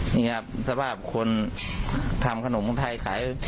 นี่ครับสภาพคนทำขนมไทยขาย